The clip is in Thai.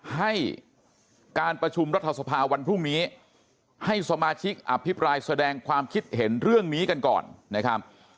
ให้การประชุมรัฐสภาวันพรุ่งนี้ให้สมาชิกอภิปรายแสดงความคิดเห็นเรื่องนี้กันก่อนนะครับ